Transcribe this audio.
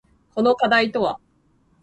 この課題とは？